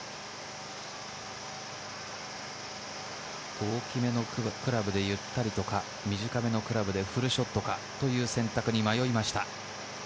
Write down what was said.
大きめのクラブでゆったりとか、短めのクラブでフルショットかという選択に迷いました。